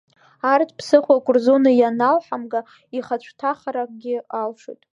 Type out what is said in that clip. Арҭ ԥсыхәак рзуны ианалҳамга, иҳацәҭахаргьы алшоит…